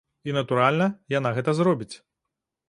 І, натуральна, яна гэта зробіць.